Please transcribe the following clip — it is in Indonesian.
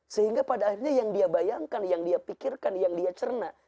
sehingga pada akhirnya yang dia bayangkan yang dia pikirkan yang dia cerna